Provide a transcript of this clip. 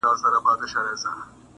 که ستا چيري اجازه وي محترمه